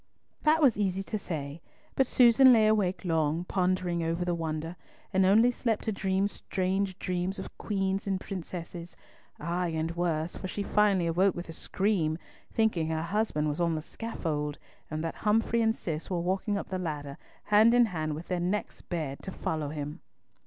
That was easy to say, but Susan lay awake long, pondering over the wonder, and only slept to dream strange dreams of queens and princesses, ay, and worse, for she finally awoke with a scream, thinking her husband was on the scaffold, and that Humfrey and Cis were walking up the ladder, hand in hand with their necks bared, to follow him!